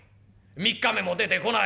３日目も出てこない。